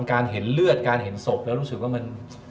เห็นเลือดการเห็นศพแล้วรู้สึกว่ามัน